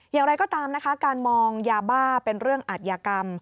อย่างไรก็ตามนะคะการมองยาบ้าเป็นเรื่องอัตยกรรม